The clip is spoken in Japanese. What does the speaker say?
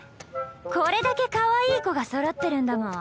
これだけかわいい子がそろってるんだもん。